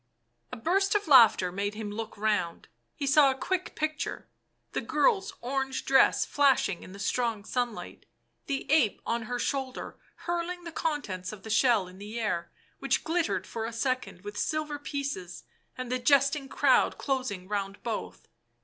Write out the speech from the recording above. A burst of laughter made him look round ; he saw a quick picture : The girl's orange dress flashing in the strong sunlight, the ape on her shoulder hurling the contents of the shell in the air, which glittered for a second with silver pieces and the jesting crowd closing round both.